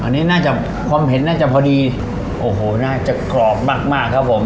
อันนี้น่าจะความเห็นน่าจะพอดีโอ้โหน่าจะกรอบมากมากครับผม